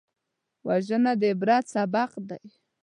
وژنه د عبرت سبق دی